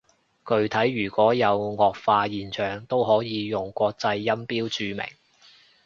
具體如果有顎化現象，都可以用國際音標注明